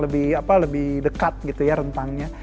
lebih dekat gitu ya rentangnya